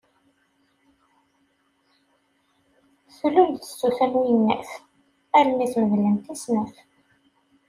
Tlul-d tsuta n uyennat, allen-is medlent i snat.